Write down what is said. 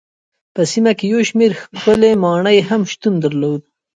په سیمه کې یو شمېر ښکلې ماڼۍ هم شتون درلود.